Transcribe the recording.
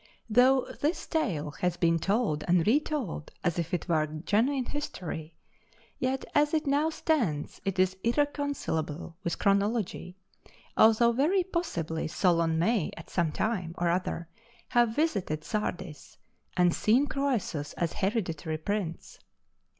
Though this tale has been told and retold as if it were genuine history, yet as it now stands it is irreconcilable with chronology although very possibly Solon may at some time or other have visited Sardis, and seen Croesus as hereditary prince.